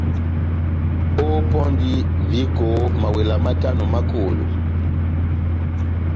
Ópɔndi viko mawela matano ma kolo.